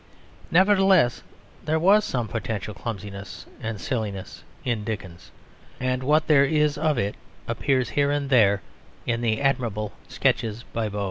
Nevertheless there was some potential clumsiness and silliness in Dickens; and what there is of it appears here and there in the admirable Sketches by Boz.